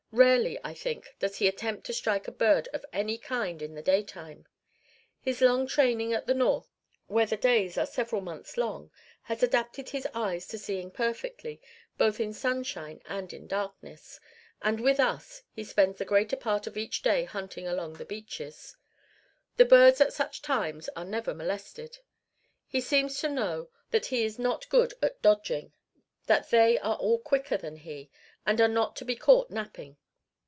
Rarely, I think, does he attempt to strike a bird of any kind in the daytime. His long training at the north, where the days are several months long, has adapted his eyes to seeing perfectly, both in sunshine and in darkness; and with us he spends the greater part of each day hunting along the beaches. The birds at such times are never molested. He seems to know that he is not good at dodging; that they are all quicker than he, and are not to be caught napping.